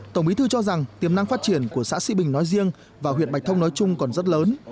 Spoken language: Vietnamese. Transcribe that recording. tổng bí thư cho rằng tiềm năng phát triển của xã sĩ bình nói riêng và huyện bạch thông nói chung còn rất lớn